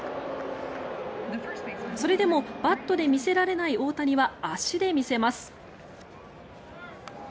それでもバットで見せられない大谷は足で見せます。